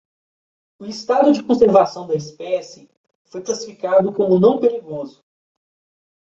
O estado de conservação da espécie foi classificado como não perigoso.